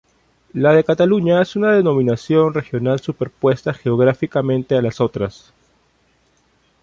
La de Cataluña es una denominación regional superpuesta geográficamente a las otras.